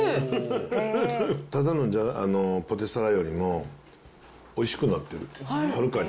ただのポテサラよりも、おいしくなってる、はるかに。